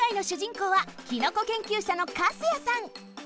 こうはきのこ研究者の糟谷さん。